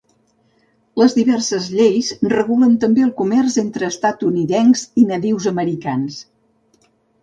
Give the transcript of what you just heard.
Les diverses lleis regulen també el comerç entre estatunidencs i nadius americans.